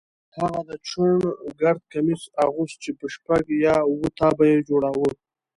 هغه د چوڼ ګرد کمیس اغوست چې په شپږ یا اووه تابه یې جوړاوه.